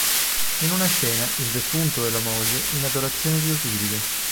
In una scena, il defunto e la moglie in adorazione di Osiride.